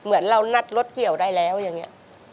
เหมือนเรานัดรถเกี่ยวได้แล้วอย่างนี้